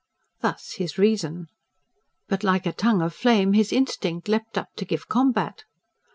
Thus his reason. But, like a tongue of flame, his instinct leapt up to give combat.